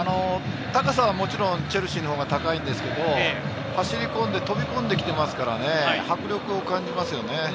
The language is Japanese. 高さはもちろんチェルシーのほうが高いんですけど、走り込んで飛び込んできていますからね。